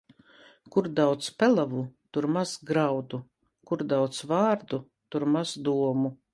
Kur daudz pelavu, tur maz graudu; kur daudz vārdu, tur maz domu.